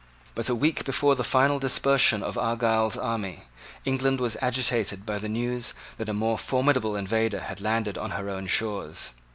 But, a week before the final dispersion of Argyle's army England was agitated by the news that a more formidable invader had landed on her own shores.